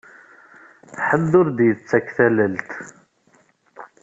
Ḥedd ur aɣ-d-yettak tallelt.